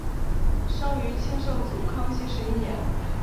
生于清圣祖康熙十一年。